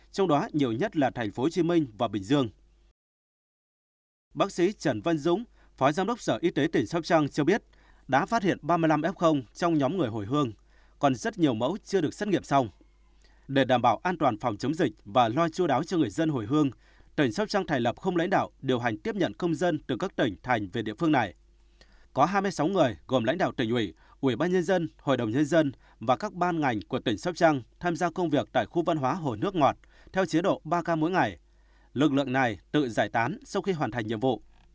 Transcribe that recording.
có hai mươi sáu người gồm lãnh đạo tỉnh ủy ủy ban nhân dân hội đồng nhân dân và các ban ngành của tỉnh sóc trăng tham gia công việc tại khu văn hóa hồ nước ngọt theo chế độ ba k mỗi ngày lực lượng này tự giải tán sau khi hoàn thành nhiệm vụ